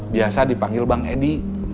biasa dipanggil bang edi